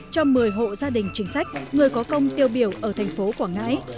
cho một mươi hộ gia đình chính sách người có công tiêu biểu ở thành phố quảng ngãi